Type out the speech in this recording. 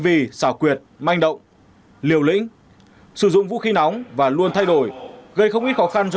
vì xảo quyệt manh động liều lĩnh sử dụng vũ khí nóng và luôn thay đổi gây không ít khó khăn cho